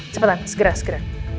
cepetan segera segera